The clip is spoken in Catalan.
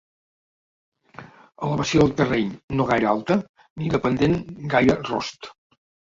Elevació del terreny no gaire alta ni de pendent gaire rost.